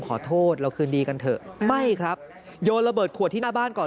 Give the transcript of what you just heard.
ขอโทษเราคืนดีกันเถอะไม่ครับโยนระเบิดขวดที่หน้าบ้านก่อน